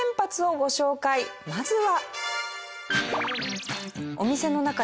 まずは。